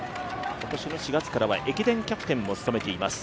今年の４月からは駅伝キャプテンも務めています。